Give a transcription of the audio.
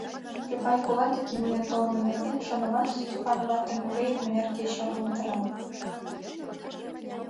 Чопай кува деке миен толмо нерген шонымаш Стопан ватым уже икмыняр кече орландара.